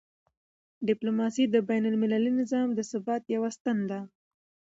ډیپلوماسي د بینالمللي نظام د ثبات یوه ستنه ده.